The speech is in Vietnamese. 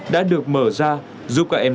đã được mở ra giúp các em